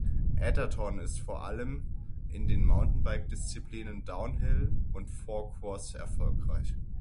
Atherton ist vor allem in den Mountainbike-Disziplinen Downhill und Four Cross erfolgreich.